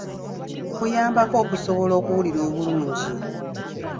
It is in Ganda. Kuyambako okusobola okuwulira obulungi.